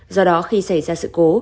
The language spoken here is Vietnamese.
do đó khi xảy ra sự cố